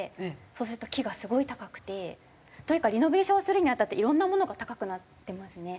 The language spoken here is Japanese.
そうすると木がすごい高くて。というかリノベーションするにあたっていろんなものが高くなってますね。